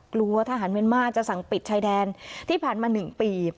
กลัวทหารเมียนมาร์จะสั่งปิดชายแดนที่ผ่านมา๑ปี